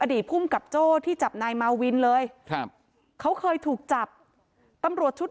ภูมิกับโจ้ที่จับนายมาวินเลยครับเขาเคยถูกจับตำรวจชุด